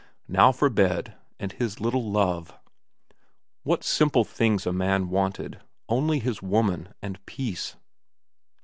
Now for bed and his little Love. What simple things a man wanted, only his woman and peace.